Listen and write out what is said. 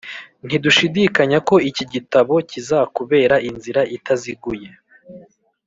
Ntidushidikanya ko iki gitabo kizakubera inzira itaziguye